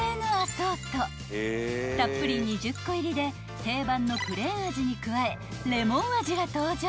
［たっぷり２０個入りで定番のプレーン味に加えレモン味が登場］